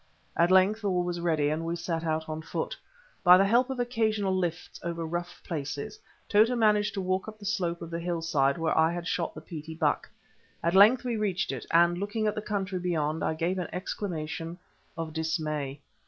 At length all was ready, and we set out on foot. By the help of occasional lifts over rough places, Tota managed to walk up the slope of the hill side where I had shot the Petie buck. At length we reached it, and, looking at the country beyond, I gave an exclamation of dismay.